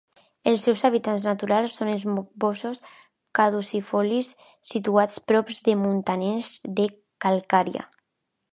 Els seus hàbitats naturals són els boscos caducifolis situats prop de muntanyes de calcària.